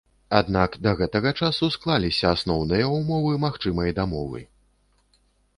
Аднак да гэтага часу склаліся асноўныя ўмовы магчымай дамовы.